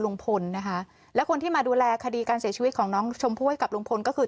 ลุงพลนะคะและคนที่มาดูแลคดีการเสียชีวิตของน้องชมพู่ให้กับลุงพลก็คือ